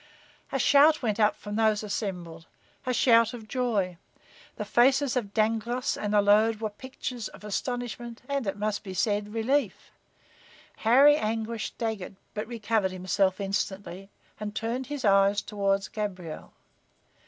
A shout went up from those assembled, a shout of joy. The faces of Dangloss and Allode were pictures of astonishment and it must be said relief. Harry Anguish staggered but recovered himself instantly, and turned his eyes toward Gabriel.